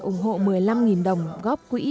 ủng hộ một mươi năm đồng góp quỹ